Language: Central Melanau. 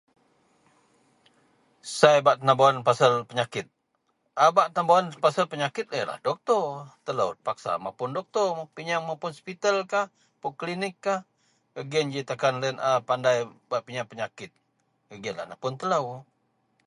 Sai bak tenabawen pasel penyakit. A bak tenabawen pasel penyakit yenlah doktor. Telou terpaksa mapun doktor. Pinyieng mapun spitel kah, mapun klinik kah, gak giyen ji takan loyen a pandai bak pinyieng penyakit, gak giyen lah napun telou.